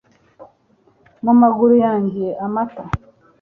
mu maguru yanjye. amata